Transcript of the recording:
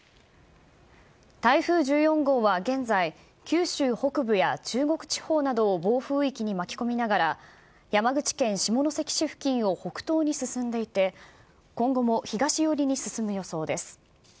台風１４号は現在、九州北部や中国地方などを暴風域に巻き込みながら、山口県下関付近を北東に進んでいて、今後も東寄りに進む予想です。